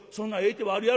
手はあるやろか？」。